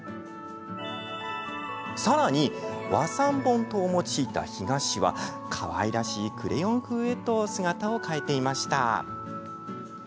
さらに、和三盆糖を用いた干菓子はかわいらしいクレヨン風へと姿を変えていました。